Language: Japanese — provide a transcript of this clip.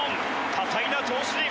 多彩な投手陣。